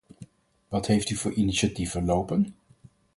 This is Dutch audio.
Wat heeft u voor initiatieven lopen?